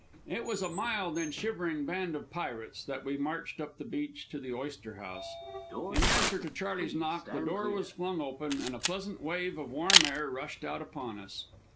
It was a mild and shivering band of pirates that we marched up the beach to the oyster house. In answer to Charley's knock, the door was flung open, and a pleasant wave of warm air rushed out upon us.